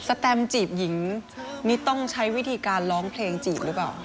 แตมจีบหญิงนี่ต้องใช้วิธีการร้องเพลงจีบหรือเปล่า